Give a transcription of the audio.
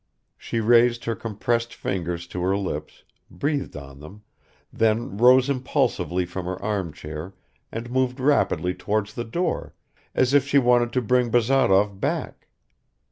She raised her compressed fingers to her lips, breathed on them, then rose impulsively from her armchair and moved rapidly towards the door, as if she wanted to bring Bazarov back